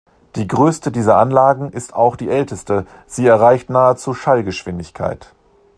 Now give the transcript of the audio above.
Die größte dieser Anlagen ist auch die älteste, sie erreicht nahezu Schallgeschwindigkeit.